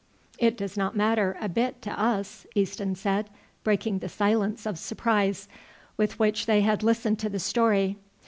"It does not matter a bit to us," Easton said, breaking the silence of surprise with which they had listened to the story.